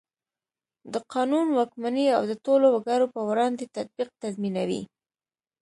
د قانون واکمني او د ټولو وګړو په وړاندې تطبیق تضمینوي.